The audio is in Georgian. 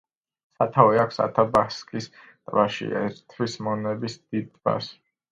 სათავე აქვს ათაბასკის ტბაში, ერთვის მონების დიდ ტბას.